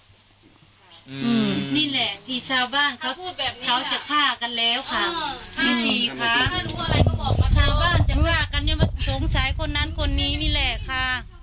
นี่แหละที่ชาวบ้านเขาจะฆ่ากันแล้วค่ะชาวบ้านจะฆ่ากันสงสัยคนนั้นคนนี้นี่แหละค่ะ